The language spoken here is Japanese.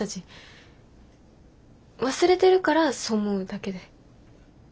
忘れてるからそう思うだけで。